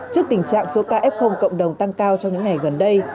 trước tình trạng số ca f cộng đồng tăng cao trong những ngày gần đây